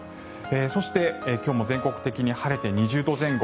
そして、今日も全国的に晴れて２０度前後。